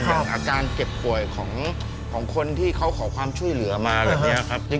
อาการเจ็บป่วยของคนที่เขาขอความช่วยเหลือมาแบบนี้ครับ